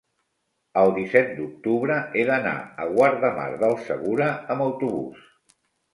El disset d'octubre he d'anar a Guardamar del Segura amb autobús.